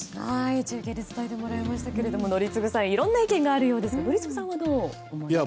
中継で伝えてもらいましたが宜嗣さんいろんな意見があるようですが宜嗣さんはどうお考えですか？